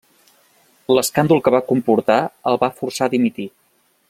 L'escàndol que va comportar el va forçar a dimitir.